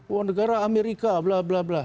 uang negara amerika bla bla bla